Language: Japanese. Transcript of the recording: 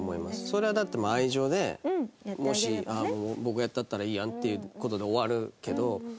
それはだってもう愛情でもし僕がやったったらいいやんっていう事で終わるけど。